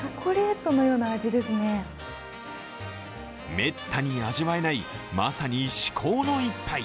めったに味わえないまさに至高の一杯。